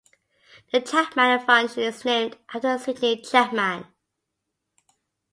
The Chapman function is named after Sydney Chapman.